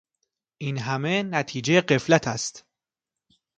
اینهمه نتیجهٔ غفلت است.